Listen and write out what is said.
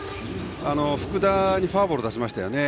福田にフォアボールを出しましたよね。